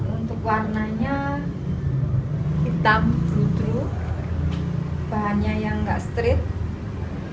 untuk warnanya hitam kudu bahannya yang nggak straight